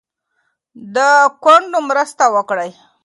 د کونډو مرسته وکړئ.